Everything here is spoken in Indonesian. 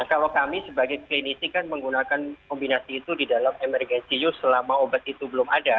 kalau kami sebagai klinisi kan menggunakan kombinasi itu di dalam emergency use selama obat itu belum ada